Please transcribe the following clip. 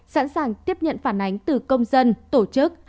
sẵn sàng tiếp nhận phản ánh từ công dân tổ chức